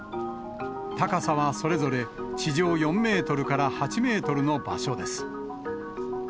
高さはそれぞれ地上４メートルから８メートルの場所です。